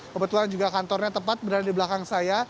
kebetulan juga kantornya tepat berada di belakang saya